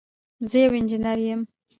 زه یو انجینر یم